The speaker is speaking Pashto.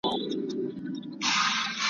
جوړه کړې په قلا کي یې غوغاوه `